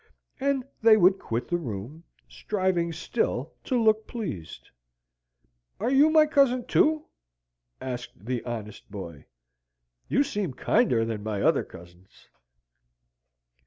And they would quit the room, striving still to look pleased. "Are you my cousin, too?" asked the honest boy. "You see kinder than my other cousins."